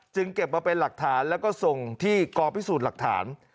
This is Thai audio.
เก็บมาเป็นหลักฐานแล้วก็ส่งที่กอพิสูจน์หลักฐาน